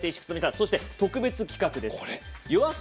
そして特別企画。